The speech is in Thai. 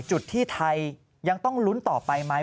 จุดที่ไทยยังต้องลุ้นต่อไปไหม